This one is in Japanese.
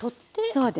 そうです。